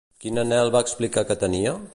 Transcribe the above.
Quin anhel va explicar que tenia?